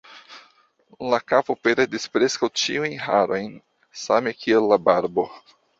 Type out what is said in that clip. La kapo perdis preskaŭ ĉiujn harojn, same kiel la barbo.